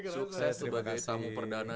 sukses sebagai tamu perdana